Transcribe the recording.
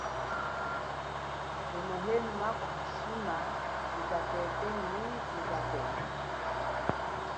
Kwenu makwa shima nyi katete nyi yena mwehi nyi katete.